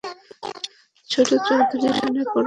ছোট চৌধুরী লাভ-লোকসানের পরোয়া করে না!